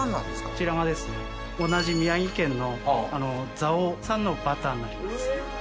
こちらがですね同じ宮城県の蔵王産のバターになります。